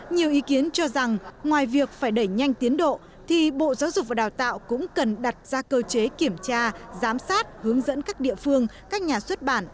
nhiều ý kiến cho rằng ngoài việc phải đẩy nhanh tiến độ thì bộ giáo dục và đào tạo cũng cần đặt ra cơ chế kiểm tra giám sát hướng dẫn các địa phương các nhà xuất bản